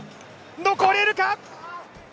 残れるか？